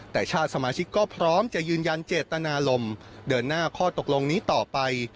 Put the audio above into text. แต่ชาติสมาชิกก็พร้อมจะยืนยันเจตนารมณ์เดินหน้าข้อตกลงนี้ต่อไป